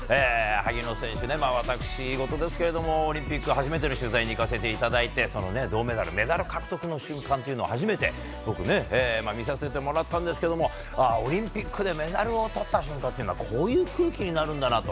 萩野選手、私事ですがオリンピック初めての取材に行かせていただいて銅メダルメダル獲得の瞬間を初めて見させてもらったんですけどもオリンピックでメダルをとった瞬間ってこういう空気になるんだと。